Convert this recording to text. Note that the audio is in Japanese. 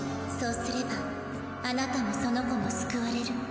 そうすればあなたもその子も救われる。